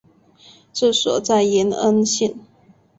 治所在延恩县。